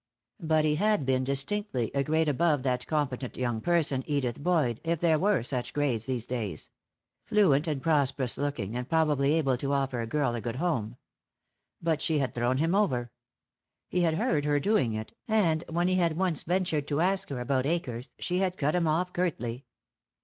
But he had been distinctly a grade above that competent young person, Edith Boyd, if there were such grades these days; fluent and prosperous looking, and probably able to offer a girl a good home. But she had thrown him over. He had heard her doing it, and when he had once ventured to ask her about Akers she had cut him off curtly.